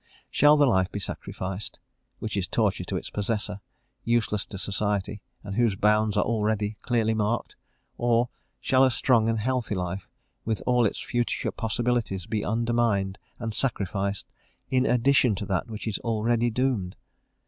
Shall the life be sacrificed, which is torture to its possessor, useless to society, and whose bounds are already clearly marked? or shall a strong and healthy life, with all its future possibilities, be undermined and sacrificed _in addition to that which is already doomed?